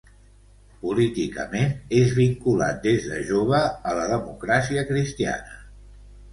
Políticament és vinculat des de jova a la democràcia cristiana.